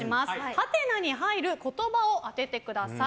はてなに入る言葉を当ててください。